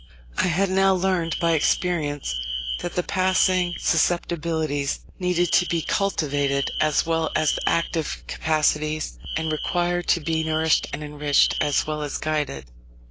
I had now learnt by experience that the passing susceptibilities needed to be cultivated as well as the active capacities, and required to be nourished and enriched as well as guided.